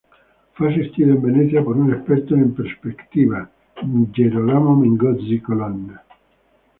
Fue asistido en Venecia por un experto en perspectiva, Gerolamo Mengozzi-Colonna.